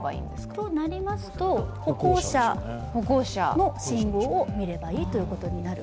となりますと、歩行者の信号を見ればいいということになる。